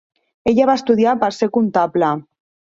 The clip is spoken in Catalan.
Ella va estudiar per ser comptable.